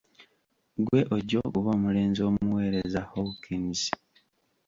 Ggwe ojja okuba omulenzi omuweereza Hawkins.